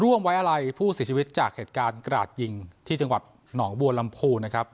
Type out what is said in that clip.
ร่วมไว้อะไรผู้เสียชีวิตจากเหตุการณ์กราดยิงที่จังหวัดหนองบัวลำพูนะครับ